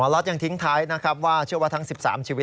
อ๋อแล้วอย่างทิ้งท้ายนะครับว่าเชื่อว่าทั้งสิบสามชีวิต